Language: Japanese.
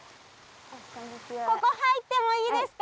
ここ入ってもいいですか？